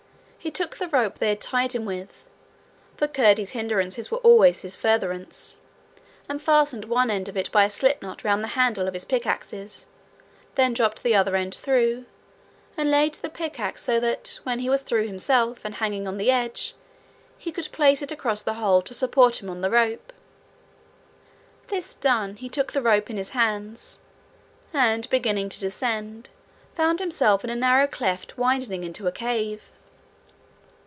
He took the rope they had tied him with for Curdie's hindrances were always his furtherance and fastened one end of it by a slipknot round the handle of his pickaxes then dropped the other end through, and laid the pickaxe so that, when he was through himself, and hanging on the edge, he could place it across the hole to support him on the rope. This done, he took the rope in his hands, and, beginning to descend, found himself in a narrow cleft widening into a cave.